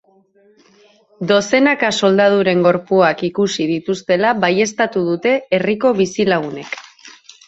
Dozenaka soldaduren gorpuak ikusi dituztela baieztatu dute herriko bizilagunek.